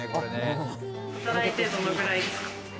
働いてどのくらいですか？